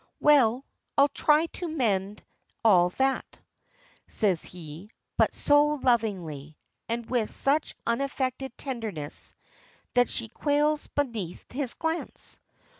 "Well, I'll try to mend all that," says he, but so lovingly, and with such unaffected tenderness, that she quails beneath his glance.